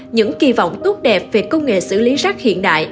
những kỳ vọng tốt đẹp về công nghệ xử lý rác hiện đại